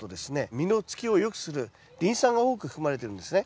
実のつきをよくするリン酸が多く含まれてるんですね。